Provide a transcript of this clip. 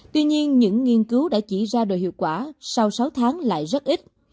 tuy nhiên những nghiên cứu đã chỉ ra đồ hiệu quả sau sáu tháng lại rất ít